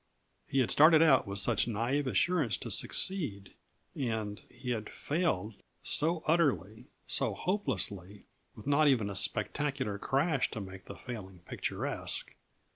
He had started out with such naïve assurance to succeed, and he had failed so utterly, so hopelessly, with not even a spectacular crash to make the failing picturesque.